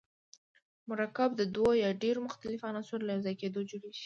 مرکب د دوه یا ډیرو مختلفو عناصرو له یوځای کیدو جوړیږي.